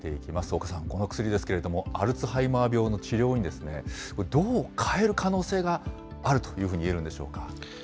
岡さん、この薬ですけれども、アルツハイマー病の治療にどう変える可能性があると言えるんでし